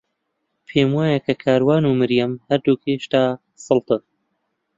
پێم وایە کە کاروان و مەریەم هەردووک هێشتا سەڵتن.